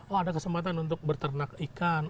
oh ada kesempatan untuk berternak ikan